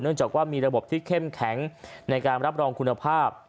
จากว่ามีระบบที่เข้มแข็งในการรับรองคุณภาพ